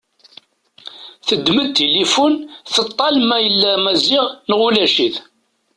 Teddem-d tilifun teṭṭal ma yella Maziɣ neɣ ulac-it.